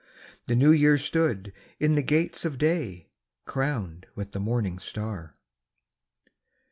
The New Year stood in the gates of day, Crowned with the morning star.